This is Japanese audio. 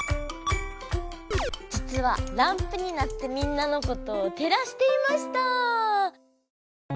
じつはランプになってみんなのことをてらしていました。